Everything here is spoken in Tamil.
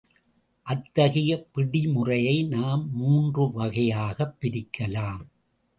அத்தகைய பிடி முறையை நாம் மூன்று வகையாகப் பிரிக்கலாம்.